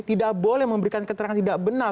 tidak boleh memberikan keterangan tidak benar